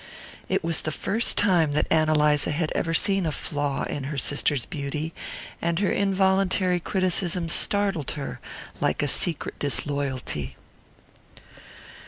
It was the first time that Ann Eliza had ever seen a flaw in her sister's beauty, and her involuntary criticism startled her like a secret disloyalty.